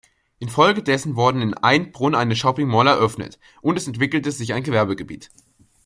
Infolgedessen wurden in Embrun eine Shopping Mall eröffnet und es entwickelte sich ein Gewerbegebiet.